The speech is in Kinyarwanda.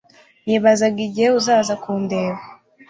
Nibazaga igihe uzaza kundeba